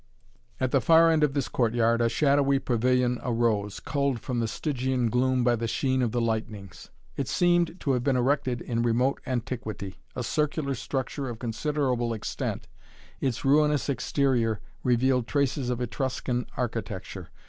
At the far end of this courtyard a shadowy pavilion arose, culled from the Stygian gloom by the sheen of the lightnings. It seemed to have been erected in remote antiquity. A circular structure of considerable extent, its ruinous exterior revealed traces of Etruscan architecture.